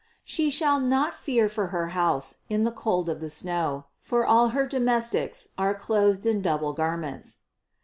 792. "She shall not fear for her house in the cold of snow: for all her domestics are clothed in double gar ments."